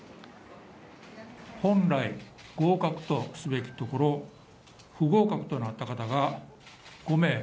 本来、合格とすべきところ、不合格となった方が５名。